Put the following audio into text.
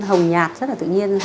hồng nhạt rất là tự nhiên